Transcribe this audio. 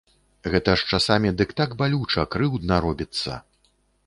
Гэта ж часамі дык так балюча, крыўдна робіцца.